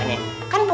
ntar kita kembali